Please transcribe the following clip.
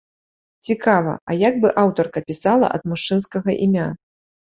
Цікава, а як бы аўтарка пісала ад мужчынскага імя?